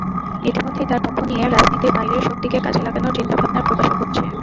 ইতিমধ্যেই তার পক্ষ নিয়ে রাজনীতির বাইরের শক্তিকে কাজে লাগানোর চিন্তাভাবনার প্রকাশও ঘটছে।